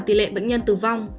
tỷ lệ bệnh nhân tử vong